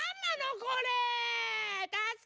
これ。